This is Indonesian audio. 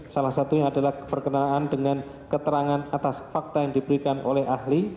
salah satunya adalah perkenaan dengan keterangan atas fakta yang diberikan oleh ahli